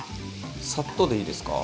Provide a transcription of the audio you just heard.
サッとでいいですか？